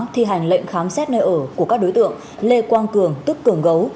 thi hành lệnh khám xét nơi ở của các đối tượng lê quang cường tức cường gấu